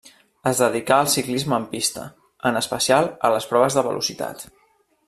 Es dedicà al ciclisme en pista, en especial a les proves de velocitat.